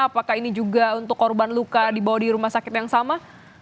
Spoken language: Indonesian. apakah ini juga untuk korban luka dibawa di rumah sakit yang sama